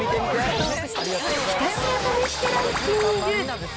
ひたすら試してランキング。